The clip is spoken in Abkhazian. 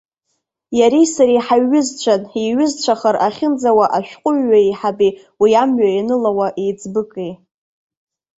Иареи сареи ҳаиҩызцәан, еиҩызцәахар ахьынӡауа ашәҟәыҩҩы еиҳаби уи амҩа ианылауа еиҵбыки.